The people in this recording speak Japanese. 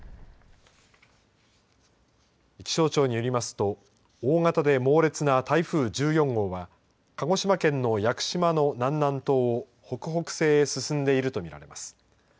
気象庁によりますと大型で猛烈な台風１４号は鹿児島県の屋久島の南南東を北北西へ進んでいると見られます。